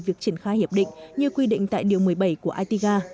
việc triển khai hiệp định như quy định tại điều một mươi bảy của itga